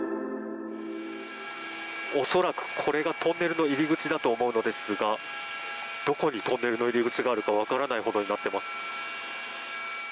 恐らく、これがトンネルの入り口だと思うのですがどこにトンネルの入り口があるか分からないほどになっています。